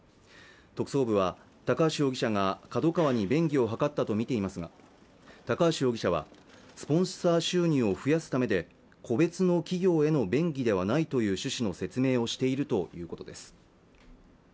特捜部は高橋容疑者がＫＡＤＯＫＡＷＡに便宜を図ったとみていますが高橋容疑者はスポンサー収入を増やすためで個別の企業への便宜ではないという趣旨の説明をしているということです